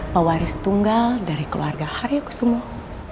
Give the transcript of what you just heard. pewaris tunggal dari keluarga haryo kusumo